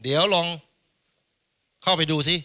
เดี๋ยวลองเข้าไปดูซิ